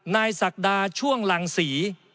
นายสักดาช่วงหลังสี